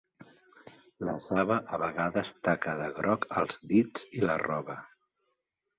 La saba a vegades taca de groc els dits i la roba.